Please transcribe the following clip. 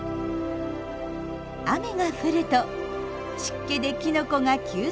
雨が降ると湿気でキノコが急成長。